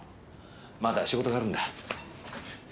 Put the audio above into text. まだ仕事があるんだ。